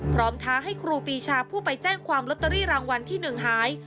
ท้าให้ครูปีชาผู้ไปแจ้งความลอตเตอรี่รางวัลที่๑หาย